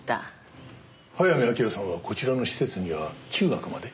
早見明さんはこちらの施設には中学まで？